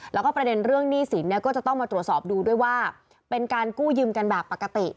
แล้วก็ประเด็นเรื่องหนี้สินเนี่ยก็จะต้องมาตรวจสอบดูด้วยว่าเป็นการกู้ยืมกันแบบปกติ